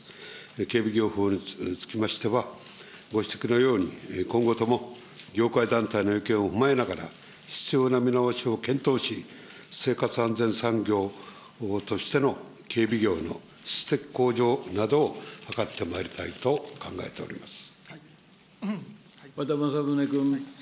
警備業法につきましては、ご指摘のように、今後とも、業界団体の意見を踏まえながら、必要な見直しを検討し、生活安全産業としての警備業の質的向上などを図ってまいりたいと和田政宗君。